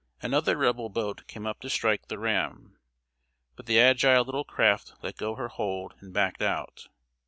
Another Rebel boat came up to strike the ram, but the agile little craft let go her hold and backed out.